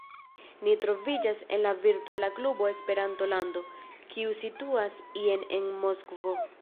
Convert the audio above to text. Ni troviĝas en la virtuala klubo “Esperanto-lando, kiu situas ie en Moskvo.